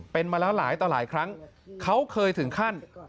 เป็นมาแล้วหลายต่อหลายครั้งเขาเคยถึงขั้น